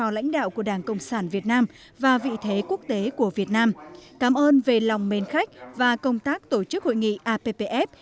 lãnh đạo của đảng cộng sản việt nam và vị thế quốc tế của việt nam cảm ơn về lòng mến khách và công tác tổ chức hội nghị appf